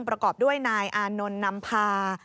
ประกอบด้วยนายอานนท์นำพา